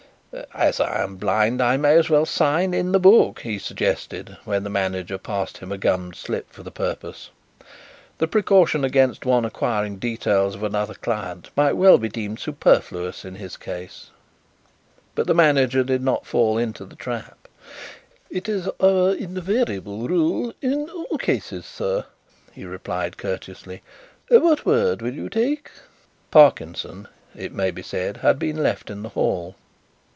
"As I am blind I may as well sign in the book," he suggested, when the manager passed him a gummed slip for the purpose. The precaution against one acquiring particulars of another client might well be deemed superfluous in his case. But the manager did not fall into the trap. "It is our invariable rule in all cases, sir," he replied courteously. "What word will you take?" Parkinson, it may be said, had been left in the hall.